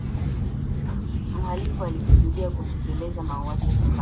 mhalifu alikusudia kutekeleza mauaji ya kimbari